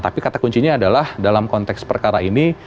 tapi kata kuncinya adalah dalam konteks perkara ini